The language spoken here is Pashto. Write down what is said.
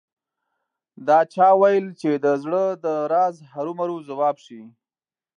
دا چا ویل چې د زړه د راز هرو مرو ځواب شي